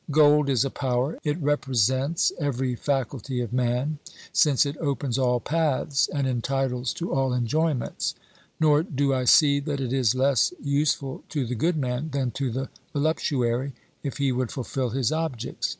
Gold is a power, it reprel sents every faculty of man, since it opens all paths and en titles to all enjoyments; nor do I see that it is less usefu to the good man than to the voluptuary, if he would fulfil his objects.